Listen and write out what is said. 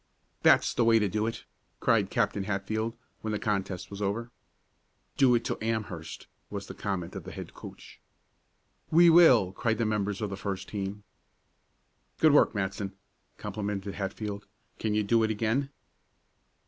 "That's the way to do it!" cried Captain Hatfield, when the contest was over. "Do it to Amherst," was the comment of the head coach. "We will!" cried the members of the first team. "Good work, Matson," complimented Hatfield. "Can you do it again?"